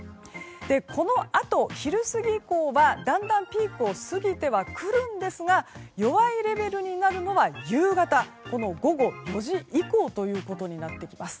このあと、昼過ぎ以降はだんだんピークを過ぎてはくるんですが弱いレベルになるのは、夕方の午後４時以降となってきます。